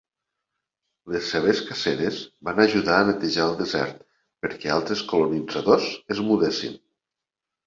Les seves caceres van ajudar a netejar el desert perquè altres colonitzadors es mudessin.